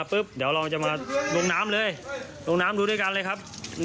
เดี๋ยวเราลองจะลงน้ำดูด้วยกันเลยครับ